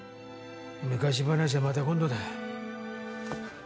昔話はまた今度だ。